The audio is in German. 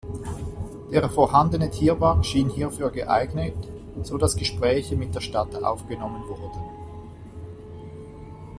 Der vorhandene Tierpark schien hierfür geeignet, so dass Gespräche mit der Stadt aufgenommen wurden.